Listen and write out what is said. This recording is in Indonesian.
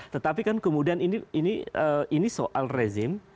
tetapi kan kemudian ini soal rezim